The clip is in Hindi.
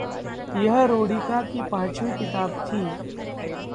यह रोडिका की पाँचवी किताब थी।